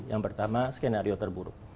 yang pertama skenario terburuk